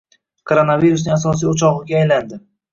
koronavirusning asosiy o'chog'iga aylandi